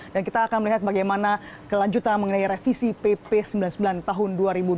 dan kita akan melihat bagaimana kelanjutan mengenai revisi pp sembilan puluh sembilan tahun dua ribu dua belas